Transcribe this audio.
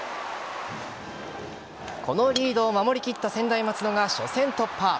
このリードを守り切った専大松戸が初戦突破。